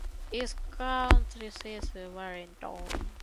Its county seat is Warrenton.